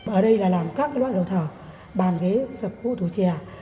ở đây là làm các loại gỗ thờ bàn ghế sập khu thủ chè